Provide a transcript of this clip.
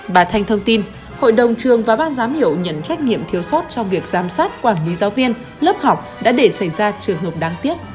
bà thanh thông tin hội đồng trường và ban giám hiệu nhận trách nhiệm thiếu sót trong việc giám sát quản lý giáo viên lớp học đã để xảy ra trường hợp đáng tiếc